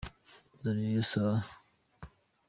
Nzanira iyo saha.